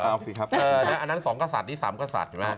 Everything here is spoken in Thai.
เอาสิครับอันนั้น๒กษัตริย์นี้๓กษัตริย์เห็นไหม